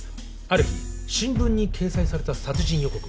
ある日新聞に掲載された殺人予告。